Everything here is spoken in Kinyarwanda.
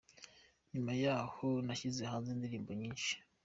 Nyuma yahoo nashyize hanze indirimbo nyinshi.